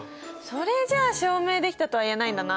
それじゃあ証明できたとは言えないんだな。